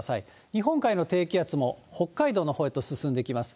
日本海の低気圧も北海道のほうへと進んできます。